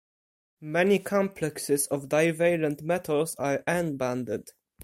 Many complexes of divalent metals are "N"-bonded.